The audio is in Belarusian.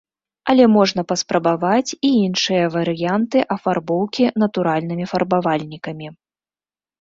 Але можна паспрабаваць і іншыя варыянтаў афарбоўкі натуральнымі фарбавальнікамі.